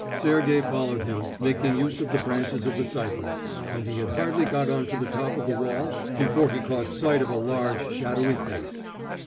Sergey followed him, making use of the branches of the cypress, and he had hardly got on to the top of the wall before he caught sight of a large, shadowy face.